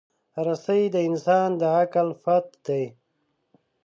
رسۍ د انسان د عقل پُت دی.